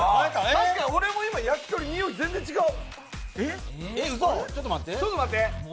確かに、俺もやきとりにおい全然違う。